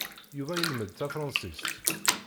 Yuba ilmed tafṛansist.